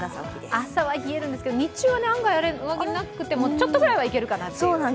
朝は冷えるんですけど、日中は上着なくてもいけるかなという。